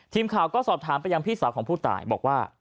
ทีมข่าวก็สอบถามไปยังพี่สาวของผู้ตายบอกว่า